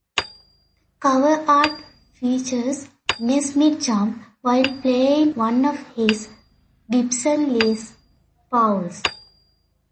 The cover art features Ness mid-jump, while playing one of his Gibson Les Pauls.